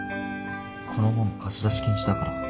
この本貸し出し禁止だから。